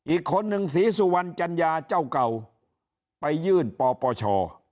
อีกคนนึงศรีสุวรรณจัญญาเจ้าเก่าไปยื่นปปช